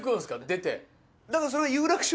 出て。